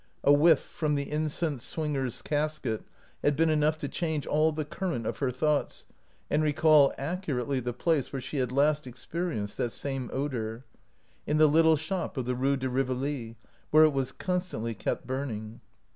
A whiff from the incense swinger's casket had been enough to change all the current of her thoughts and recall accurately the place where she had last experienced that same odor — in the lit tle shop of the Rue de Rivoli, where it was constantly kept burning.